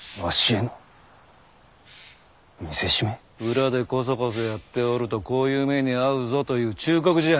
裏でこそこそやっておるとこういう目に遭うぞという忠告じゃ。